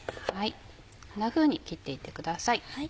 こんなふうに切っていってください。